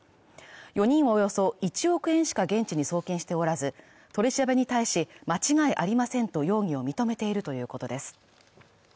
４人はおよそ１億円しか現地に送金しておらず取り調べに対し間違いありませんと容疑を認めているということです